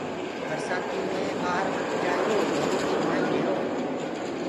برسآتي مينٚ ڀآهر مت جآيو گھرو ڪي مآئينٚ رهيو۔